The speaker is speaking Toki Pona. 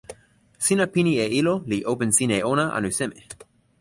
sina pini e ilo li open sin e ona anu seme?